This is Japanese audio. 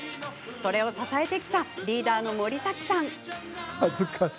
それを支えてきたリーダーの森崎さん。